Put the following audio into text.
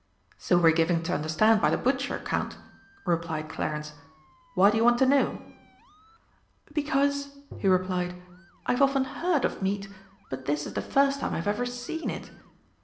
"So we're given to understand by the butcher, Count," replied Clarence. "Why do you want to know?" "Because," he replied, "I've often heard of meat, but this is the first time I've ever seen it.